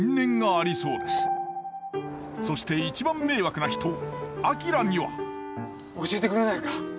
そして一番迷惑な人明には教えてくれないか？